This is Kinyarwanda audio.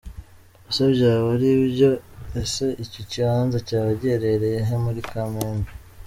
Ese byaba ari byo ? Ese icyo kibanza cyaba giherereye he muri Kamembe ?.